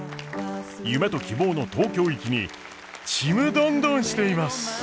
夢と希望の東京行きにちむどんどんしています！